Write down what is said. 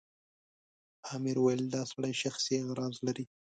امیر وویل دا سړی شخصي اغراض لري.